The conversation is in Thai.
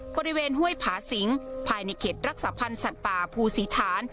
ห้วยผาสิงภายในเขตรักษาพันธ์สัตว์ป่าภูศรีฐาน